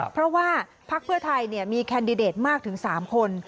เพราะว่าพักเพื่อไทยมีแคนดิเดตมากถึง๓คน